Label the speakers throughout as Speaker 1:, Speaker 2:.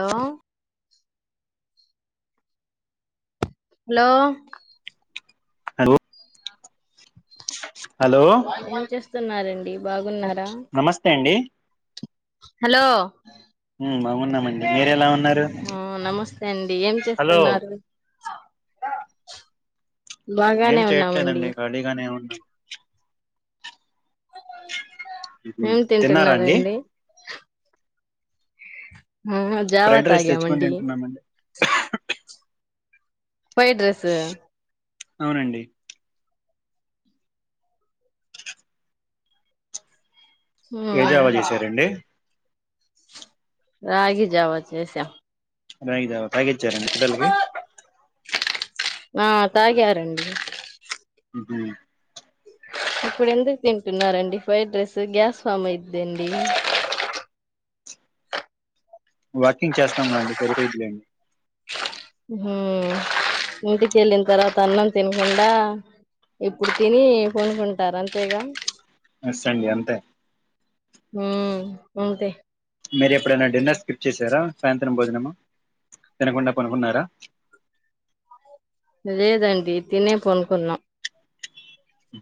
Speaker 1: ఆ hello
Speaker 2: hello hello
Speaker 1: ఏం చేస్తున్నారండి బాగున్నారా
Speaker 2: నమస్తే అండి
Speaker 1: హలో
Speaker 2: బాగున్నామండి మీర ఎలా ఉన్నా
Speaker 1: ఆ నమస్తే అండి ఏం
Speaker 2: హలో
Speaker 1: చేస్తున్నారు
Speaker 2: ఏం
Speaker 1: బాగానే ఉన్నామండి
Speaker 2: చేయట్లేదండి ఖాళీగానే ఉన్నాం
Speaker 1: ఏం
Speaker 2: తిన్నారా అండి?
Speaker 1: తింటున్నారండి ఆ హా, జావా
Speaker 2: ఫ్రైడ్ రైస్ తెచ్చుకొని
Speaker 1: తాగామండి.
Speaker 2: తింటున్నామండి
Speaker 1: ఫైడ్రెస్.
Speaker 2: అవునండి. వీడియో
Speaker 1: ఉమ్
Speaker 2: ఎవల్ దీశారండి?
Speaker 1: రాగి జవ చేశా.
Speaker 2: రాగి జవ తాగిచ్చారండి పిల్లకి?
Speaker 1: ఆ తాగారండి.
Speaker 2: ఉ హు
Speaker 1: ఇప్పుడు ఎందుకు తింటున్నారండి, ఫ్రైడ్ రైస్ గ్యాస్ ఫామ్ అయిద్దండి.
Speaker 2: వాకింగ్ చేస్తాము గా అండి, సరిపోయిద్లేండి.
Speaker 1: హ్మ్ ఇంటికి ఎళ్ళిన్తర్వాత అన్నం తినకుండా, ఇప్పుడు తిని పొండుకుంటారు అంతేగా?
Speaker 2: ఎస్ అండి అంతే.
Speaker 1: ఉమ్, ఉంటయ్.
Speaker 2: మీరు ఎప్పుడైనా డిన్నర్ స్కిప్ చేసారా, సాయంత్రం భోజనము తినకుండా పొండుకున్నారా?
Speaker 1: లేదండి తినే పొండుకున్నాం.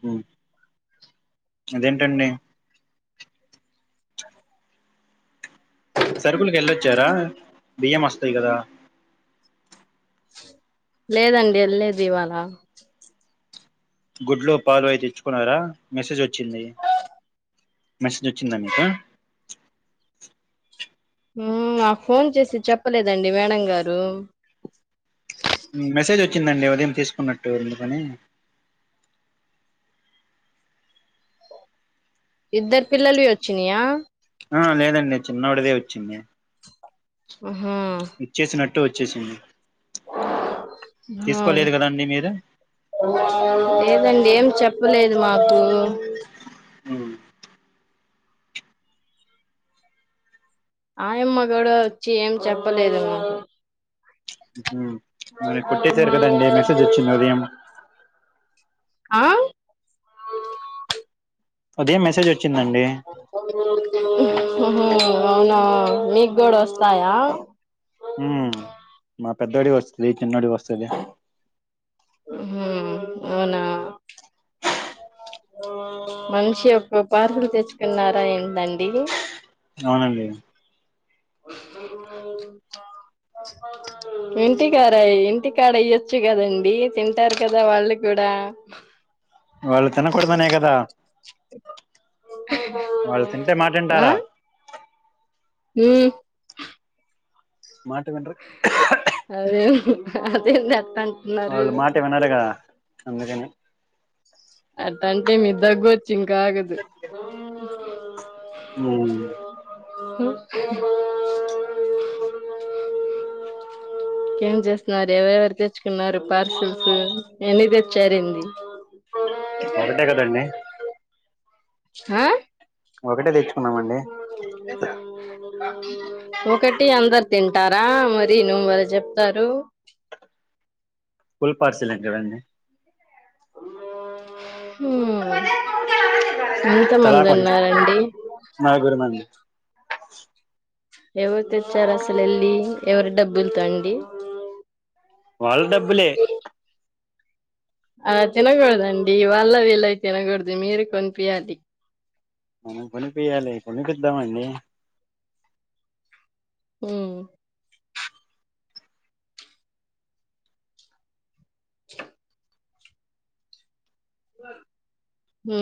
Speaker 2: ఉ అదేంటండి? సరుకులకి వెళ్ళొచ్చారా? బియ్యం అస్తయి గదా
Speaker 1: లేదండి ఎళ్ళలేదు ఇవాళ.
Speaker 2: గుడ్లు, పాలు అయి తెచ్చుకున్నారా? మెసేజ్ వచ్చింది, మెసేజ్ వచ్చిందా మీకు?
Speaker 1: ఉమ్ నాకు ఫోన్ చేసి చెప్పలేదండి మేడం గారు.
Speaker 2: మెసేజ్ వచ్చిందండి, ఉదయం తీసుకున్నట్టు అందుకని.
Speaker 1: ఇద్దర్ పిల్లల్వీ వచ్చినయా?
Speaker 2: ఆ లేదండి చిన్నడిదే వచ్చింది.
Speaker 1: ఆ
Speaker 2: ఇచ్చేసినట్ టు వచ్చేసింది.
Speaker 1: హా
Speaker 2: తీసుకోలేదు కదండి మీరు
Speaker 1: లేదండి, ఏం చెప్పలేదు మాకు.
Speaker 2: మ్మ్
Speaker 1: ఆయమ్మ గూడ వచ్చి ఏం చెప్పలేదమ్మ.
Speaker 2: ఉ హు, మరి కొట్టేశారు కదండి మెసేజ్ వచ్చింద ఉదయం?
Speaker 1: ఆ
Speaker 2: అదీ మెసేజ్ వచ్
Speaker 1: హ్మ్ అహా, అవునా మీకు గూడా వస్ తాయా
Speaker 2: ఉమ్ మా పెద్దోడివి వస్తది, చిన్నోడివి వస్తది.
Speaker 1: ఉ హు, అవునా! మనిషి ఒక్క పార్సల్ తెచ్చుకున్నారా ఏంటండి?
Speaker 2: అవునండి
Speaker 1: ఇంటికాడ, ఇంటికాడ ఇయ్యొచ్చు గదండి తింటారు కదా వాళ్ళు కూడా.
Speaker 2: వాళ్ళు తినకూడదనే గదా. వాళ్ళు తింటే మాటింటారా
Speaker 1: హ్మ్
Speaker 2: మాటవిన్రు
Speaker 1: అదేందట్టం
Speaker 2: వాళ్ళు మాట వినరుగా అందుకని
Speaker 1: అట్ అంటే మీకు దగ్గొ చింకా ఆగదు
Speaker 2: మ్మ్
Speaker 1: కేం జేస్తున్నారు ఎవరెవరు తెచ్చుకున్నారు పార్సిల్స్ ఎన్ని తెచ్చారేంది
Speaker 2: ఒకటే కదండి
Speaker 1: హ
Speaker 2: ఒకటే తెచ్చుకున్నామండి
Speaker 1: ఒకటి అందరు తిన్ తింటారా మరి నువ్వు మరీ జెప్తారు
Speaker 2: ఫుల్ పార్సిల్ అండి ఇవన్నీ
Speaker 1: హ్మ్ ఎంత
Speaker 2: తలా
Speaker 1: మంది
Speaker 2: కొంచెం
Speaker 1: ఉన్నారండి
Speaker 2: నలుగురమండి
Speaker 1: ఎవరు తెచ్చారు అసలు ఎల్లి ఎవరి డబ్బులతో అండి
Speaker 2: వాళ్ళ డబ్బులే
Speaker 1: అలా తినకూడదండి వాళ్ళవి వీళ్ళవి తినకూడదు మీరు కొన్పియాలి
Speaker 2: మనం కొనిపియ్యాలి కొనిపిద్దాం అండి
Speaker 1: మ్మ్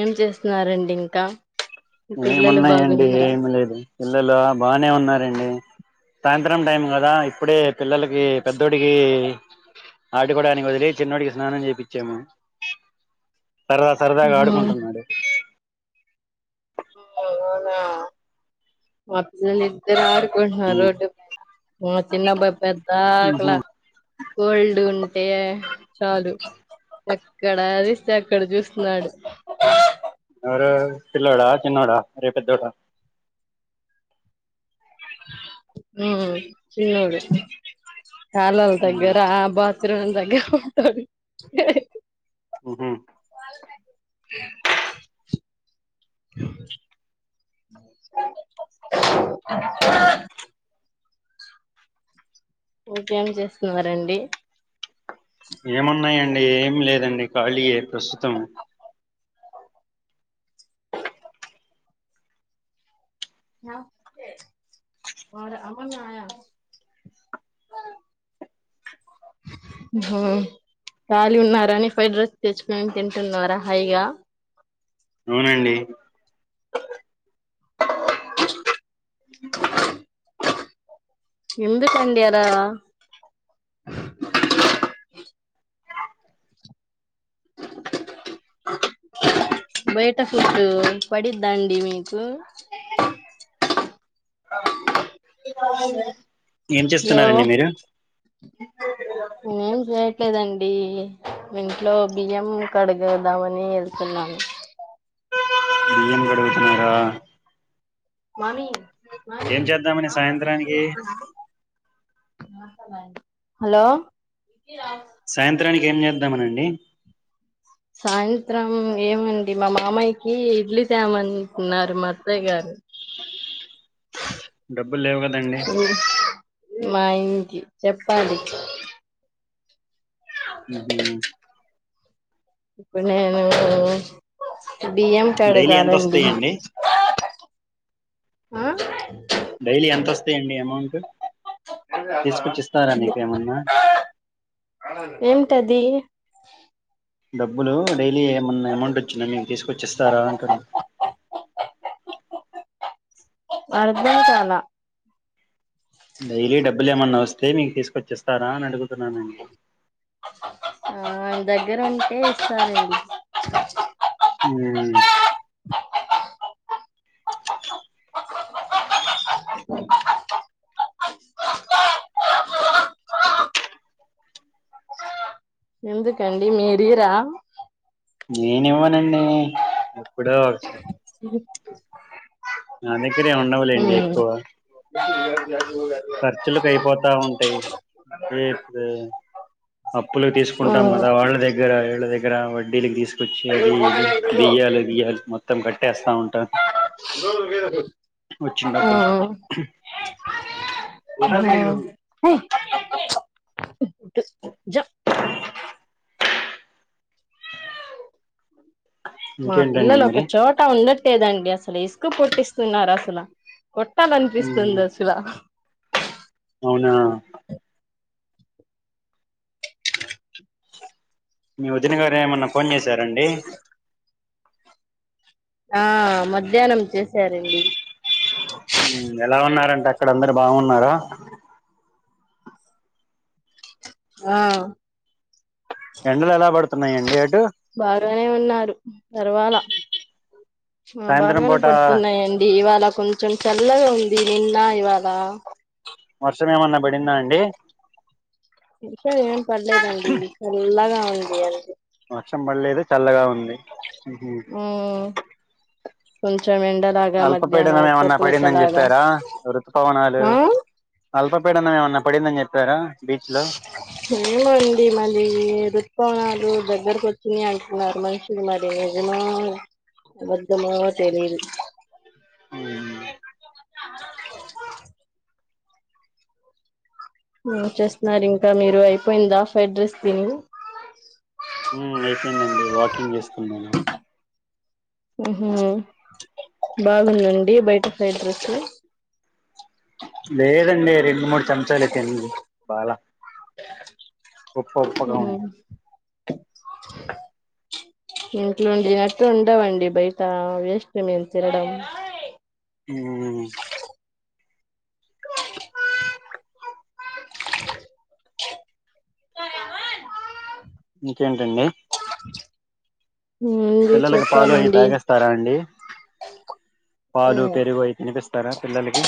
Speaker 1: ఏం చేస్తున్నారండి ఇంకా మీ
Speaker 2: ఏం
Speaker 1: పిల్లలు
Speaker 2: ఉన్నాయండి
Speaker 1: బాగున్నారా
Speaker 2: ఏమి లేదు పిల్లలా బానే ఉన్నారండి సాయంత్రం టైం కదా ఇప్పుడే పిల్లలకి పెద్దోడికి ఆడుకోవడానికి వదిలి చిన్నోడికి స్నానం చేప్పిచ్చాము సరదా సరదాగా
Speaker 1: ఉమ్,
Speaker 2: ఆడుకుంటున్నాడు
Speaker 1: ఓ అవునా మా పిల్లలిదారు ఆడ్ కుంట్న్నారు రోడ్డు పైనా మా చిన్నబ్బాయి పెద్ద ఆకల
Speaker 2: ఉహు
Speaker 1: కోల్డ్ ఉంటే చాలు ఇక్కడ అరిస్తే అక్కడ చూస్తున్నాడు
Speaker 2: పిల్లడా చిన్నోడా అరే పెద్దోడా
Speaker 1: మ్మ్ చిన్నోడు కాలావ్ల దగ్గర బస్ ఇద్దరం దగ్గర్ ఉంటాది
Speaker 2: హ్మ్ హు
Speaker 1: ఇంకేం చేస్తున్నారండి
Speaker 2: ఏమున్నాయం ఏంలేదండి ఖాళీయే ప్రస్తుతం
Speaker 1: ఓ ఖాళీ ఉన్నారాని ఫ్రైడ్ రైస్ తెచ్కొన్ని తింటున్నారా హైగా
Speaker 2: అవునండి
Speaker 1: ఎందుకండీ అలా బయట ఫుడ్ పడిద్దా అండి మీక్ ట్లో
Speaker 2: ఏం చేస్తున్నారండి మీరు
Speaker 1: నేన్నేం జేయట్ లేదండి ఇంట్లో బియ్యం కడుగదామని వెళ్తున్నాను
Speaker 2: బియ్యం గడుగుతున్నారా
Speaker 1: మామి మామి
Speaker 2: చేద్దామని
Speaker 1: మామని నిద్ర
Speaker 2: సాయంత్రానికి
Speaker 1: లేపనా హలో
Speaker 2: సాయంత్రానికి ఏం చేద్దామనండి
Speaker 1: సాయంత్రం ఏమండి మా మామయకి ఇడ్లీ తేమంటున్నారు మా అత్తయ్య గారు
Speaker 2: డబ్బులు లేవు కదండి
Speaker 1: మా ఆయన్కి చెప్పాలి
Speaker 2: మ్మ్ హ్మ్
Speaker 1: ఇప్పుడ్ నేను బియ్యం
Speaker 2: డైలీ ఎంత
Speaker 1: కడగాలండి
Speaker 2: వస్తాయండి
Speaker 1: ఆ
Speaker 2: డైలీ ఎంతోస్తాయండి అమౌంటు ఏమన్నా
Speaker 1: ఏమ్టది
Speaker 2: డబ్బులు డైలీ ఏమన్నా అమౌంట్ వచ్చిందా మీకు తీసుకొచ్చి ఇస్తారా అంటున్నా
Speaker 1: అర్ధంకాల
Speaker 2: డైలీ డబ్బులు ఏమన్నా వస్తే మీకు తీసుకొచ్చిస్తారా అని అడుగు
Speaker 1: ఆ దగ్ దగ్గిర ఉంటే ఇస్తారండీ
Speaker 2: మ్మ్
Speaker 1: ఎందుకండి మీరు ఇయ్యారా
Speaker 2: నేనివ్వనండి ఎప్పుడో ఒకసారి నా దగ్గరేం
Speaker 1: ఉమ్
Speaker 2: ఉండవులేండి
Speaker 1: ఉమ్
Speaker 2: ఎక్కువ ఖర్చులకు అయిపోతా ఉంటాయి అదే అప్పులు తీసుకుంటాం కదా వాళ్ళ దగ్గర వాళ్ల దగ్గర వడ్డీల్ తీస్ కొచ్చి అది ఇది బియ్యాలు గియ్యాలు మొత్తం కట్టేస్తా ఉంటా వచ్చిన డబ్బుల్తో
Speaker 1: ఉమ్ ఉమ్ జ మా
Speaker 2: ఇంకేంటండి
Speaker 1: పిల్లలు ఒక
Speaker 2: మరి
Speaker 1: చోట ఉండట్లేదండ్ అండి అసలు ఇసుక పుట్టిస్తున్నారు అసల కొట్టాల అనిపిస్తుంది అసల
Speaker 2: అవునా నివు దిను గారు ఏమన్నా ఫోన్ చేశారండి
Speaker 1: ఆ మధ్యాహ్నం చేశారండి
Speaker 2: హ్ ఎలా ఉన్నారం అక్కడ అందరు బావున్నారా
Speaker 1: ఆ
Speaker 2: ఎండలు ఎలా పడుతున్నాయండి అటు
Speaker 1: బారనే ఉన్నారు పర్వాల ఆ
Speaker 2: సాయంత్రం
Speaker 1: బాగానే
Speaker 2: పూట
Speaker 1: పడుతున్నాయండి ఇవాళ కొంచెం చల్లగా ఉంది నిన్న ఇవ్వలా
Speaker 2: వర్షము ఏమన్నా పడిందా అండి
Speaker 1: విరుప ఏమ్ పడలేదండీ చల్లగా ఎమ్ చేయాలండి
Speaker 2: వర్షం పడలేదు చల్లగా ఉంది మ్మ్ హు
Speaker 1: కొంచ్
Speaker 2: అల్పపీడనం ఏమన్నా పడిందని చెప్పారా ఋతుపవనాలు
Speaker 1: ఆ
Speaker 2: అల్ప పీడన్నా ఏమన్నా పడిందని చెప్పారా బీచ్ లో
Speaker 1: ఏమండి మళ్లి ఋతుపవనాలు గ్గరిక వచ్చింది అంటున్నారు మనుషులు మరి నిజమో అబద్ధమో తెలిదు
Speaker 2: మ్మ్
Speaker 1: ఏం చేస్తున్నారు ఇంకా మీరు అయిపోయిందా ఫైడ్ రైస్ తిని
Speaker 2: మ్మ్ అయిపోయిందండి వాకింగ్ చేస్తున్నాను
Speaker 1: మ్మ్ హు బాగుందండి బయట ఫ్రైడ్ రైస్
Speaker 2: లేదండి రెండు మూడు చెంచాలయీతేండి బాల
Speaker 1: మ్ ఇంట్లోండినట్ ఉండవండి బయట వెస్ట్ మేమ్ తినడం
Speaker 2: ఉమ్ ఇంకేంటండి
Speaker 1: ఉంది
Speaker 2: పిల్లలకి పాలు అయి
Speaker 1: చెప్పాలండి
Speaker 2: తాగిస్తారా అండి పాలు పెరుగు అవి తినిపిస్తారా పిల్లలకి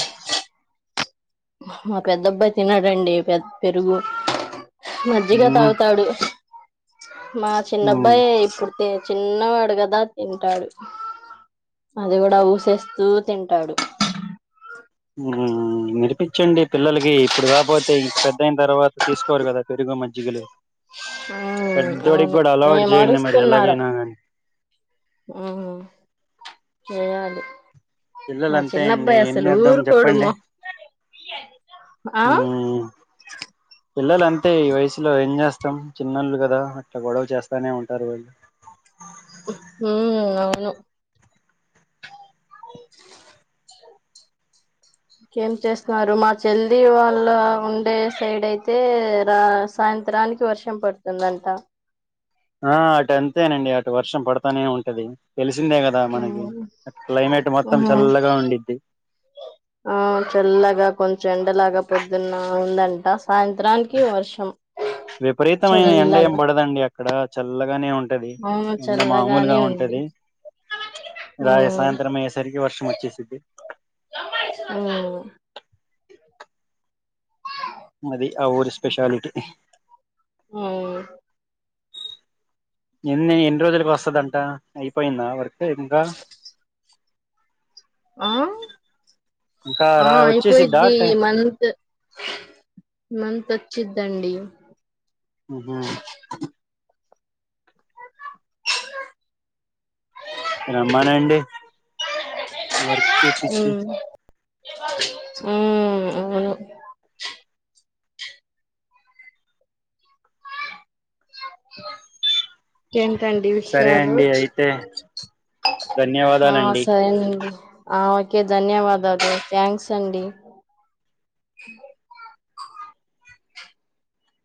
Speaker 1: మా మా పెద్ద అబ్బాయి తినడండి పెద్ పెరుగు మజ్జిగ
Speaker 2: ఉమ్
Speaker 1: తాగుతాడు మా
Speaker 2: ఉమ్
Speaker 1: చిన్నబ్బాయి ఇప్పుడు తే చిన్నవాడు కదా తింటాడు అది కూడా ఊసేస్తూ తింటాడు
Speaker 2: మ్మ్ నేర్పిపించండి పిల్లలకి ఇప్పుడు కాపోతే ఇంకా పెద్దయిన తర్వాత తీసుకోరు కదా పెరుగు మజ్జిగలు
Speaker 1: మ్మ్
Speaker 2: పెద్ద్దోడికి
Speaker 1: అవును
Speaker 2: కూడా అలవాటు
Speaker 1: ఏం
Speaker 2: చేయండి మరి ఎలాగైనా గానీ
Speaker 1: ఉ చేయాలి
Speaker 2: పిల్లలు
Speaker 1: మా
Speaker 2: అంతే అండి
Speaker 1: చిన్నబ్బాయి
Speaker 2: ఏం
Speaker 1: అసలు
Speaker 2: చేద్దాం చెప్పండి
Speaker 1: ఊరుకోడుమో ఆ
Speaker 2: మ్ పిల్లలు అంతే ఈ వయసులో ఏం చేస్తా మొత్తం చిన్నోళ్ళు కదా అట్లా గొడవ చేస్తానే ఉంటారు వోళ్ళు
Speaker 1: హ్మ్ అవును ఇంకేం చేస్తున్నారు మా చెల్లి వాళ్ళ ఉండే సైడ్ అయితే రా సాయంత్రానికి వర్షం పడుతుందంట
Speaker 2: ఆ అటు అంతేనండి అటు వర్షం పడతానే ఉంటది. తెలిసి వచ్చిందే కదా మనకి
Speaker 1: మ్మ్
Speaker 2: అ క్లైమేట్ మొత్తం
Speaker 1: మ్మ్
Speaker 2: చల్లగా ఉండిద్ది
Speaker 1: ఆ చల్లగా కొంచెం ఎండలాగా పొద్దున్న ఉందంట సాయంత్రానికి వర్షం చల్లగా
Speaker 2: ఇక్కడ చల్లగానే ఉం ఉంటది
Speaker 1: అవును
Speaker 2: ఎండ మామూలుగా
Speaker 1: చల్లగానే ఉంది
Speaker 2: ఉంటది రా
Speaker 1: మ్మ్
Speaker 2: సాయంత్రం అయ్యేసరికి వర్షం వచ్చేసింది
Speaker 1: ఆ
Speaker 2: అది ఆ ఊరీ స్పెషాలిటీ
Speaker 1: మ్మ్
Speaker 2: ఎన్ని ఎన్ని రోజులకు వస్తదంట అయిపోయిందా వర్క్ తే ఇంకా
Speaker 1: ఆ
Speaker 2: ఇంకా
Speaker 1: ఆ
Speaker 2: రా వచ్చేసిద్దా
Speaker 1: అయిపోయిది
Speaker 2: అట్టే
Speaker 1: మంత్ మంత్ వచ్చిద్దండి
Speaker 2: ఉహు రామన్నండి వర్క్ చూపించు
Speaker 1: మ్మ్ అవును ఏంటండి
Speaker 2: సరే
Speaker 1: విషయాలు
Speaker 2: అండి అయితే
Speaker 1: ఆ
Speaker 2: ధన్యవాదాలండి
Speaker 1: సరేనండి ఆ ఓకే ధన్యవాదాలు థ్యాంక్స్ అండి